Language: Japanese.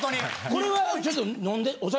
これはちょっと飲んで？